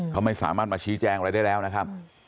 เขาไม่สามารถมาชี้แจงอะไรได้แล้วนะครับ